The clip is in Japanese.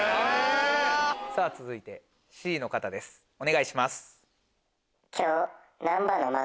続いてＣの方ですお願いします。